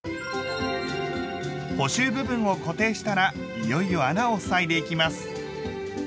補修部分を固定したらいよいよ穴をふさいでいきます。